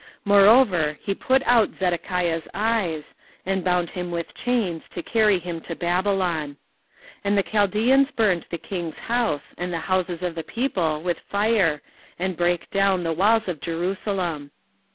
24:039:007 Moreover he put out Zedekiah's eyes, and bound him with chains, to carry him to Babylon. 24:039:008 And the Chaldeans burned the king's house, and the houses of the people, with fire, and brake down the walls of Jerusalem.